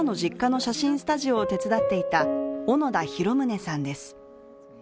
震災前まで、妻の実家の写真スタジオを手伝っていた小野田浩宗さんです。